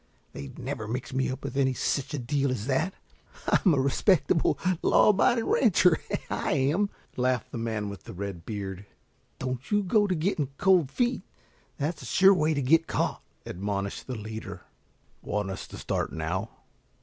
They'd never mix me up with any such deal as that. I'm a respectable law abiding rancher, I am," laughed the man with the red beard. "Don't you go to getting cold feet. That's the sure way to get caught," admonished the leader. "Want us to start now?"